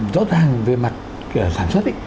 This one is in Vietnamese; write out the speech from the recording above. rõ ràng về mặt sản xuất